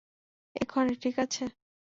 এক খণ্ডে, ঠিক আছে?